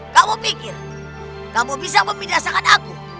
kamu pikir kamu bisa membiasakan aku